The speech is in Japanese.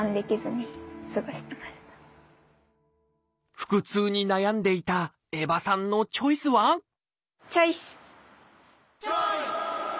腹痛に悩んでいた江場さんのチョイスはチョイス！